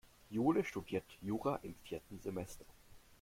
Jule studiert Jura im vierten Semester.